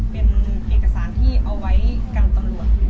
เป็นเอกสารที่เอาไว้กับตำรวจ